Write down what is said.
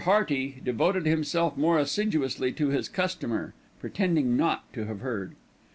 Hearty devoted himself more assiduously to his customer, pretending not to have heard.